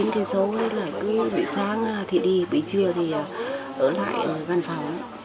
một mươi tám một mươi chín km là cứ bị sáng thì đi bị trưa thì ở lại ở văn phòng